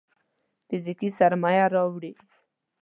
فزيکي سرمايه راوړي.